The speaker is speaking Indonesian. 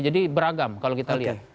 jadi beragam kalau kita lihat